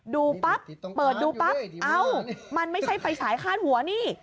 ดูปั๊บเปิดดูปั๊บมันไม่ใช่ไปสายข้านหัวนี่